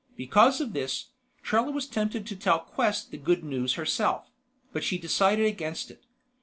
Because of this, Trella was tempted to tell Quest the good news herself; but she decided against it.